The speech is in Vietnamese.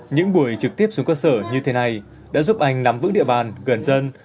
những buổi trực tiếp xuống cơ sở như thế này đã giúp anh nắm vững địa bàn gần dân